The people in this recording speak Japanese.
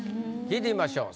聞いてみましょう。